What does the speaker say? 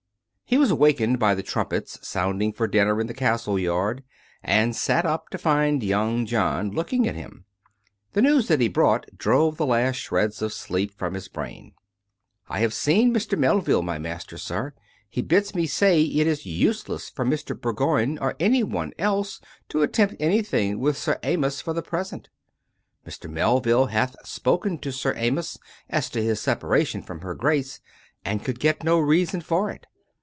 He was awakened by the trumpets sounding for dinner in the castle yard, and sat up to find young John looking at him. The news that he brought drove the last shreds of sleep from his brain. " I have seen Mr, Melville, my master, sir. He bids me say it is useless for Mr. Bourgoign, or anyone else, to at tempt anything with Sir Amyas for the present. Mr. Mel ville hath spoken to Sir Amyas as to his separation from her Grace, and could get no reason for it.